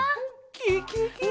ケケケ！